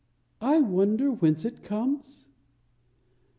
"I wonder whence it comes."